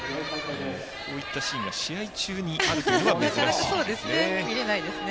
こういったシーンが試合中にあるのは珍しいですね。